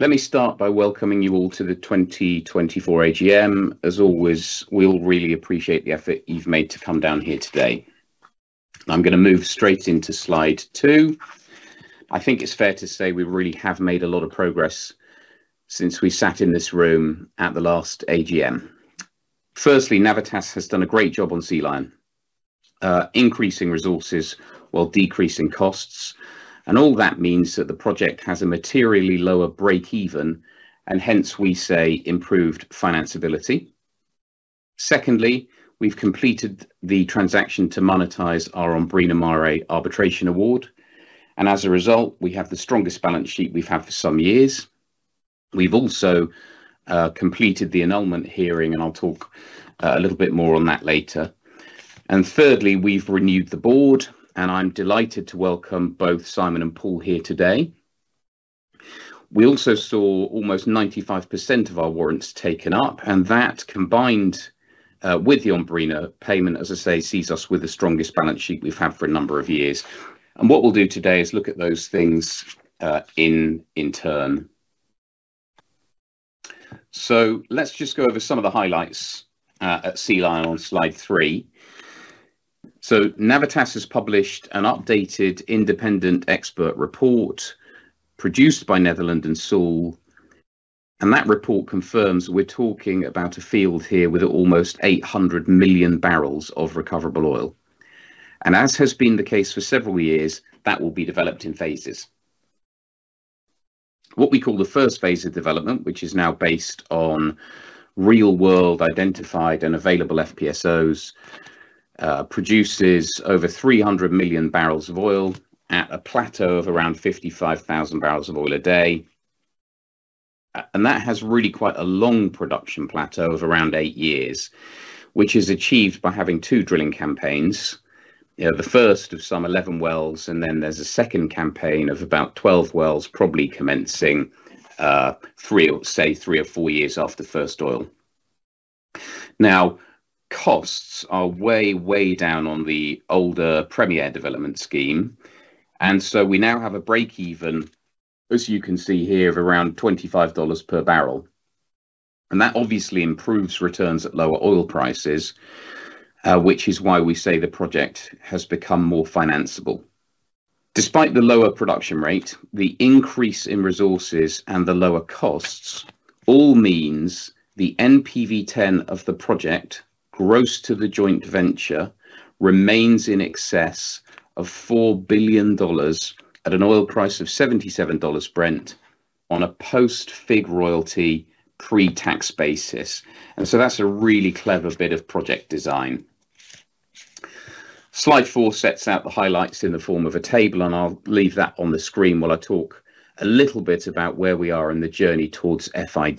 Let me start by welcoming you all to the 2024 AGM. As always, we all really appreciate the effort you've made to come down here today. I'm gonna move straight into slide two. I think it's fair to say we really have made a lot of progress since we sat in this room at the last AGM. Firstly, Navitas has done a great job on Sea Lion, increasing resources while decreasing costs, and all that means that the project has a materially lower breakeven and hence we say improved financability. Secondly, we've completed the transaction to monetize our Ombrina Mare arbitration award, and as a result, we have the strongest balance sheet we've had for some years. We've also completed the annulment hearing, and I'll talk a little bit more on that later. Thirdly, we've renewed the board, and I'm delighted to welcome both Simon and Paul here today. We also saw almost 95% of our warrants taken up, and that, combined, with the Ombrina payment, as I say, sees us with the strongest balance sheet we've had for a number of years. What we'll do today is look at those things in turn. Let's just go over some of the highlights at Sea Lion on slide three. Navitas has published an updated independent expert report produced by Netherland, Sewell & Associates, Inc., and that report confirms we're talking about a field here with almost 800 million barrels of recoverable oil. As has been the case for several years, that will be developed in phases. What we call the first phase of development, which is now based on real-world identified and available FPSOs, produces over 300 million barrels of oil at a plateau of around 55,000 barrels of oil a day. That has really quite a long production plateau of around eigh years, which is achieved by having two drilling campaigns. You know, the first of some 11 wells, and then there's a second campaign of about 12 wells probably commencing three or four years after first oil. Costs are way down on the older Premier development scheme, and so we now have a breakeven, as you can see here, of around $25 per barrel. That obviously improves returns at lower oil prices, which is why we say the project has become more financeable. Despite the lower production rate, the increase in resources and the lower costs all means the NPV10 of the project gross to the joint venture remains in excess of $4 billion at an oil price of $77 Brent on a post-FIG royalty pre-tax basis. That's a really clever bit of project design. Slide four sets out the highlights in the form of a table, and I'll leave that on the screen while I talk a little bit about where we are in the journey towards FID.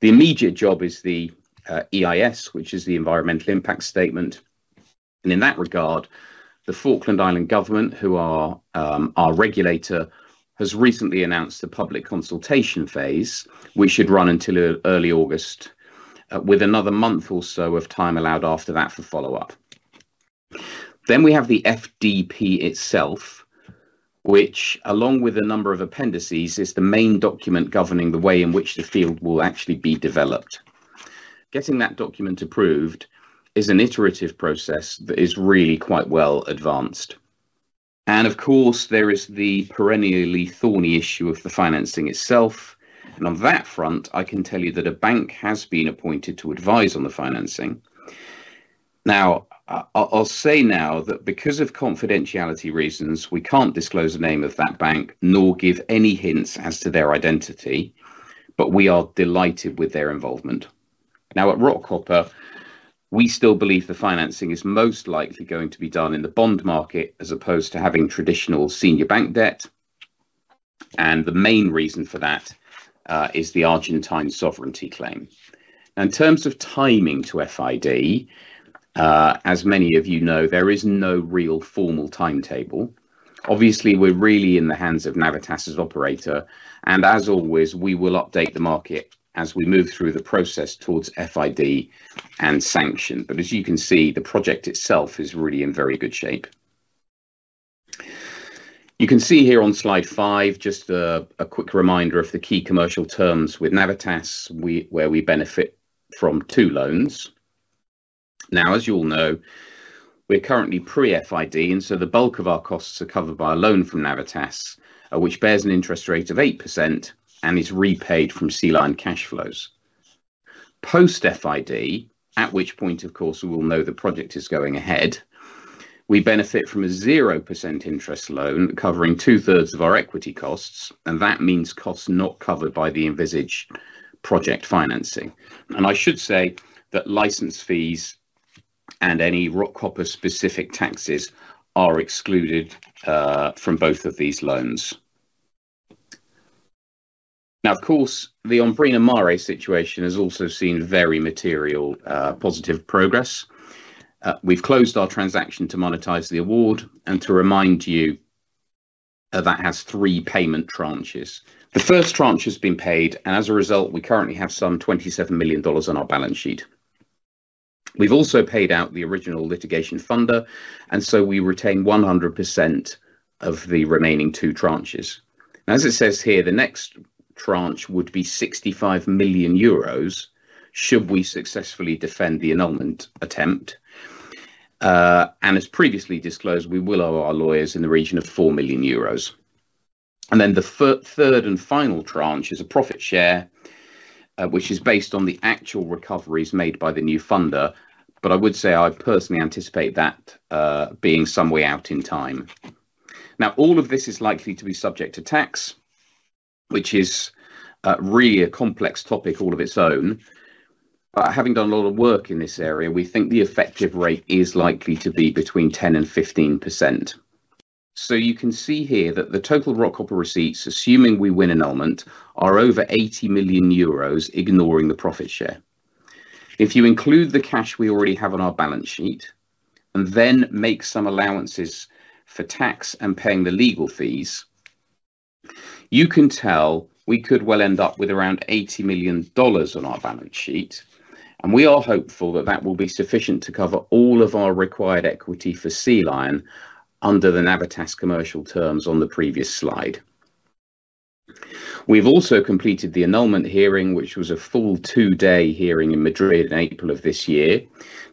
The immediate job is the EIS, which is the environmental impact statement. In that regard, the Falkland Islands Government, who are our regulator, has recently announced a public consultation phase, which should run until early August with another month or so of time allowed after that for follow-up. We have the FDP itself, which along with a number of appendices, is the main document governing the way in which the field will actually be developed. Getting that document approved is an iterative process that is really quite well advanced. Of course, there is the perennially thorny issue of the financing itself, and on that front, I can tell you that a bank has been appointed to advise on the financing. Now, I'll say now that because of confidentiality reasons, we can't disclose the name of that bank nor give any hints as to their identity, but we are delighted with their involvement. Now, at Rockhopper, we still believe the financing is most likely going to be done in the bond market as opposed to having traditional senior bank debt, and the main reason for that is the Argentine sovereignty claim. Now, in terms of timing to FID, as many of you know, there is no real formal timetable. Obviously, we're really in the hands of Navitas as operator, and as always, we will update the market as we move through the process towards FID and sanction. As you can see, the project itself is really in very good shape. You can see here on slide five just a quick reminder of the key commercial terms with Navitas where we benefit from two loans. Now, as you all know, we're currently pre-FID, and so the bulk of our costs are covered by a loan from Navitas, which bears an interest rate of 8% and is repaid from Sea Lion cash flows. Post-FID, at which point of course we will know the project is going ahead, we benefit from a 0% interest loan covering two-thirds of our equity costs, and that means costs not covered by the envisaged project financing. I should say that license fees and any Rockhopper-specific taxes are excluded from both of these loans. Now, of course, the Ombrina Mare situation has also seen very material positive progress. We've closed our transaction to monetize the award and to remind you that that has three payment tranches. The first tranche has been paid, and as a result, we currently have some $27 million on our balance sheet. We've also paid out the original litigation funder, and so we retain 100% of the remaining two tranches. As it says here, the next tranche would be 65 million euros should we successfully defend the annulment attempt. As previously disclosed, we will owe our lawyers in the region of 4 million euros. The third and final tranche is a profit share, which is based on the actual recoveries made by the new funder. I would say I personally anticipate that being some way out in time. All of this is likely to be subject to tax, which is really a complex topic all of its own. Having done a lot of work in this area, we think the effective rate is likely to be between 10%-15%. You can see here that the total Rockhopper receipts, assuming we win annulment, are over 80 million euros, ignoring the profit share. If you include the cash we already have on our balance sheet and then make some allowances for tax and paying the legal fees, you can tell we could well end up with around $80 million on our balance sheet. We are hopeful that that will be sufficient to cover all of our required equity for Sea Lion under the Navitas commercial terms on the previous slide. We've also completed the annulment hearing, which was a full two-day hearing in Madrid in April of this year.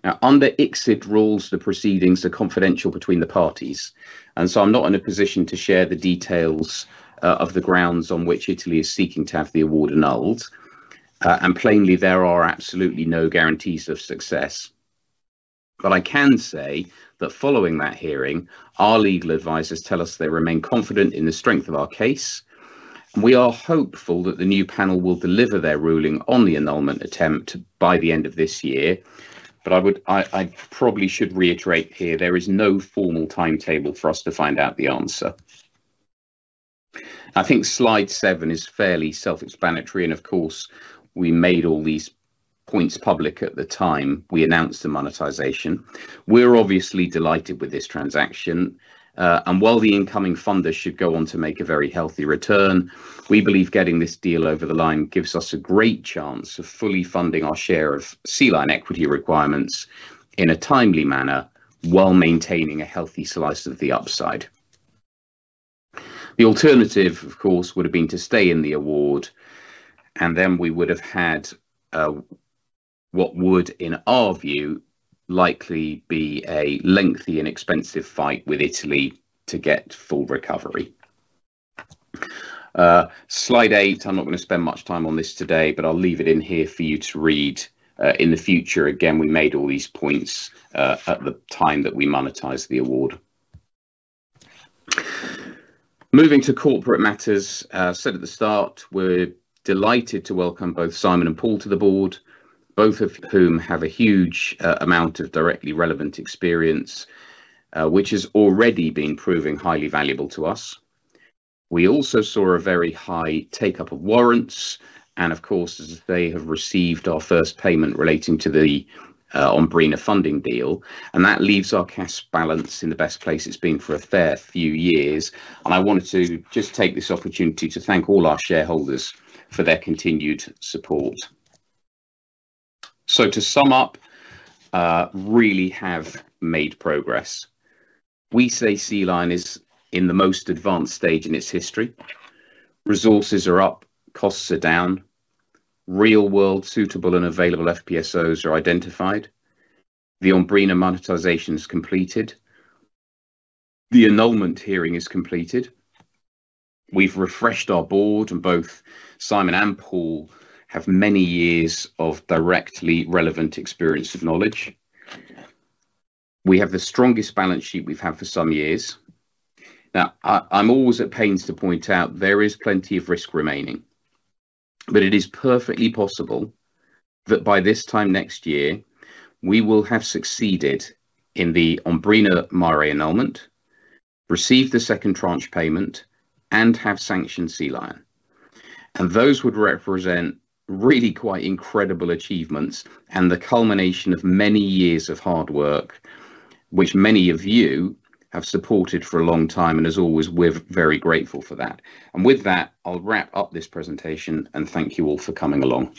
Now, under ICSID rules, the proceedings are confidential between the parties, and so I'm not in a position to share the details, of the grounds on which Italy is seeking to have the award annulled. Plainly, there are absolutely no guarantees of success. I can say that following that hearing, our legal advisors tell us they remain confident in the strength of our case. We are hopeful that the new panel will deliver their ruling on the annulment attempt by the end of this year. I probably should reiterate here, there is no formal timetable for us to find out the answer. I think slide seven is fairly self-explanatory. Of course, we made all these points public at the time we announced the monetization. We're obviously delighted with this transaction, and while the incoming funders should go on to make a very healthy return, we believe getting this deal over the line gives us a great chance of fully funding our share of Sea Lion equity requirements in a timely manner while maintaining a healthy slice of the upside. The alternative, of course, would have been to stay in the award, and then we would have had what would, in our view, likely be a lengthy and expensive fight with Italy to get full recovery. Slide eight. I'm not gonna spend much time on this today, but I'll leave it in here for you to read in the future. Again, we made all these points at the time that we monetized the award. Moving to corporate matters. As said at the start, we're delighted to welcome both Simon and Paul to the board, both of whom have a huge amount of directly relevant experience which has already been proving highly valuable to us. We also saw a very high take-up of warrants, and of course, as they have received our first payment relating to the Ombrina funding deal, and that leaves our cash balance in the best place it's been for a fair few years. I wanted to just take this opportunity to thank all our shareholders for their continued support. To sum up, we really have made progress. We say Sea Lion is in the most advanced stage in its history. Resources are up, costs are down. Real-world suitable and available FPSOs are identified. The Ombrina monetization is completed. The annulment hearing is completed. We've refreshed our board, and both Simon and Paul have many years of directly relevant experience and knowledge. We have the strongest balance sheet we've had for some years. Now, I'm always at pains to point out there is plenty of risk remaining, but it is perfectly possible that by this time next year, we will have succeeded in the Ombrina Mare annulment, receive the second tranche payment, and have sanctioned Sea Lion. Those would represent really quite incredible achievements and the culmination of many years of hard work, which many of you have supported for a long time. As always, we're very grateful for that. With that, I'll wrap up this presentation, and thank you all for coming along.